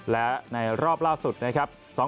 และในรอบล่าสุดนะครับ